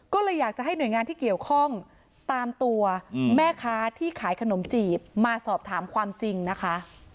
ก็เลยอยากจะให้หน่วยงานที่เกี่ยวข้องตามตัวแม่ค้าที่ขายขนมจีบมาสอบถามความจริงนะคะ